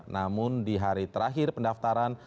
namun di hari terakhir pendaftaran